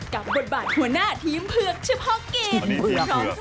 บทบาทหัวหน้าทีมเผือกเฉพาะกิจ